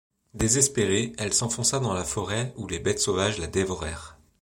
Désespérée, elle s'enfonça dans la forêt, où les bêtes sauvages la dévorèrent.